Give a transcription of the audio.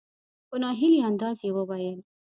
په نا هیلي انداز یې وویل .